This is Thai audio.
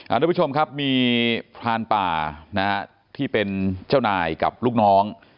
ทุกผู้ชมครับมีพรานป่านะฮะที่เป็นเจ้านายกับลูกน้อง